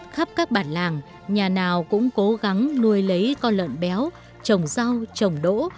khắp các bản làng nhà nào cũng cố gắng nuôi lấy con lợn béo trồng rau trồng đỗ